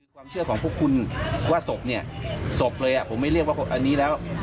ความเชื่อของพวกคุณว่าศพเนี่ยศพเลยผมไม่เรียกว่าอันนี้แล้ว